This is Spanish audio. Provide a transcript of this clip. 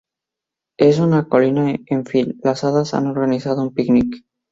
En una colina, en fin, las hadas han organizado un picnic.